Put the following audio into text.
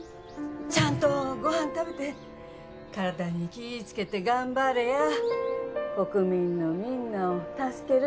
ちゃんとごはん食べて体に気いつけて頑張れや国民のみんなを助ける